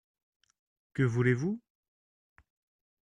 Que voulez-vous ?